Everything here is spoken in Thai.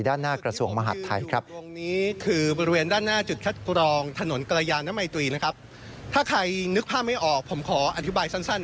ด้านหน้ากระสวงมหาทัยครับ